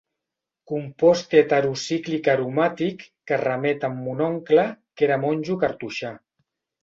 Compost heterocíclic aromàtic que remet amb mon oncle, que era monjo cartoixà.